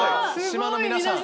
島の皆さん。